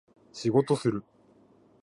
仕事する